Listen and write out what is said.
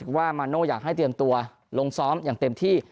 ว่ามาโน่อยากให้เตรียมตัวลงซ้อมอย่างเต็มที่